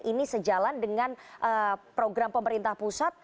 ini sejalan dengan program pemerintah pusat